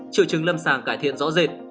triệu chứng lâm sàng cải thiện rõ rệt